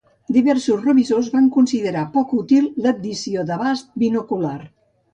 Diversos revisors van considerar poc útil l'addició d'abast binocular.